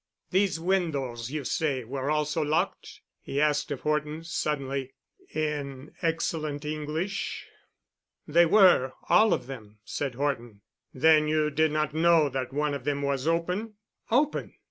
"These windows you say were also locked?" he asked of Horton suddenly, in excellent English. "They were—all of them," said Horton. "Then you did not know that one of them was open?" "Open!"